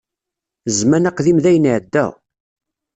Zzman aqdim dayen iεedda.